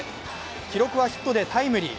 記録はヒットでタイムリー。